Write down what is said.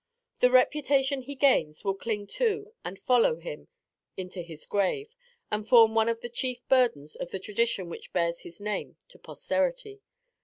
The reputation he gains will cling to and follow him into his grave and form one of the chief burdens of the tradition which bears his name to posterity.